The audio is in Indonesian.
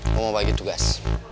gue mau bagi tugas